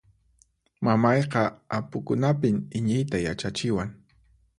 Mamayqa apukunapin iñiyta yachachiwan.